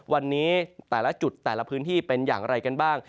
วันนี้แต่ละจุดแต่ละพื้นที่เป็นอย่างไรกันบ้าง